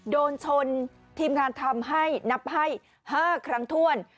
โดนชนทีมงานทำให้นับให้๕ครั้งถ้วน